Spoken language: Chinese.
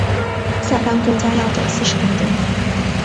下班公车要等四十分钟